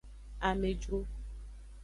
Amejru.